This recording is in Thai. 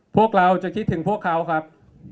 พวกเราจะคิดถึงพวกเขาครับ